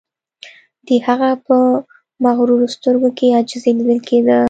د هغه په مغرورو سترګو کې عاجزی لیدل کیده